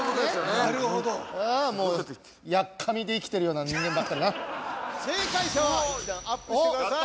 なるほどああもうやっかみで生きてるような人間ばっかりな正解者はアップしてください